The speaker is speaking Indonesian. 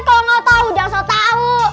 kalau nggak tau udah langsung tau